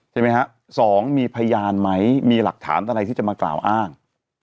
ใช่ไหมฮะสองมีพยานไหมมีหลักฐานอะไรที่จะมากล่าวอ้าง